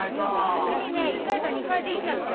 月にね１回か２回でいいんだってよ。